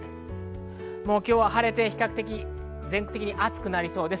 晴れて比較的、全国的に暑くなりそうです。